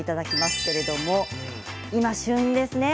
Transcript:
今、旬ですね。